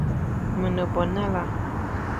Me ne bo nale,